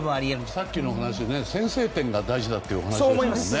さっき先制点が大事だっていうお話でしたものね。